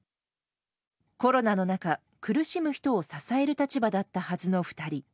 コロナの中、苦しむ人を支える立場だったはずの２人。